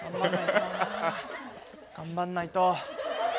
頑張んないと。